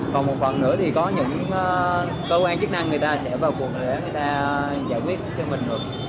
còn một phần nữa thì có những cơ quan chức năng người ta sẽ vào cuộc để người ta giải quyết cho mình được